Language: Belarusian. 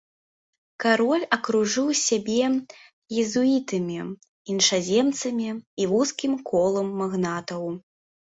Кароль акружыў сябе езуітамі, іншаземцамі і вузкім колам магнатаў.